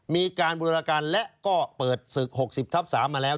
มีการบูรการและก็เปิดศึก๖๐ทับ๓มาแล้ว